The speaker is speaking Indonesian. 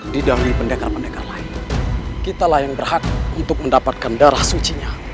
didahului pendengar pendengar lain kitalah yang berhak untuk mendapatkan darah suci nya